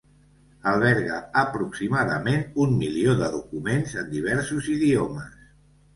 Alberga aproximadament un milió de documents, en diversos idiomes.